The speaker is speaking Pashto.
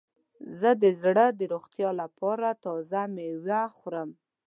زه د زړه د روغتیا لپاره تازه میوه خورم.